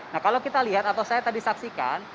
nah kalau kita lihat atau saya tadi saksikan